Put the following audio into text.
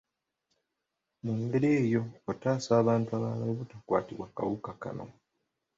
Mu ngeri eyo, otaasa abantu abalala obutakwatibwa kawuka kano.